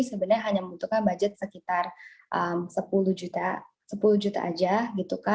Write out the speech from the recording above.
sebenarnya hanya membutuhkan budget sekitar sepuluh juta aja